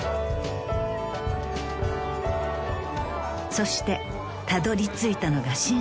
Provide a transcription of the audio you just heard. ［そしてたどりついたのが深］